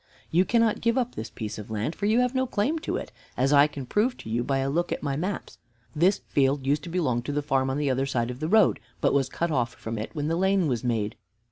You cannot give up this piece of land, for you have no claim to it, as I can prove to you by a look at my maps. This field used to belong to the farm on the other side of the road, but was cut off from it when the lane was made."